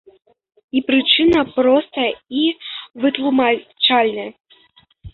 І прычына простая і вытлумачальная.